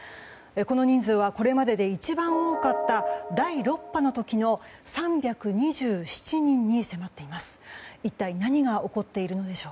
この人数はこれまでで一番多かった第６波の時の３２７人に迫っています。